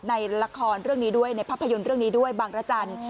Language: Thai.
ในละครเรื่องนี้ด้วยในภาพยนตร์เรื่องนี้ด้วยบางรจันทร์